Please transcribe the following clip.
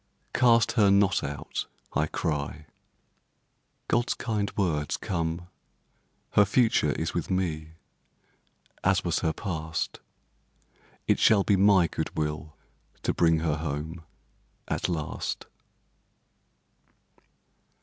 "Cast her not out!" I cry. God's kind words come "Her future is with Me, as was her past; It shall be My good will to bring her home At last."